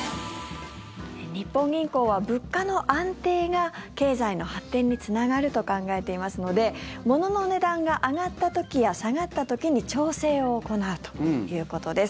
日本銀行は物価の安定が経済の発展につながると考えていますので物の値段が上がった時や下がった時に調整を行うということです。